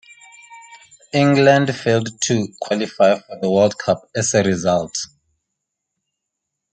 England failed to qualify for the World Cup as a result.